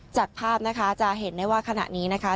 จากภาพนะคะจะเห็นได้ว่าขณะนี้นะคะ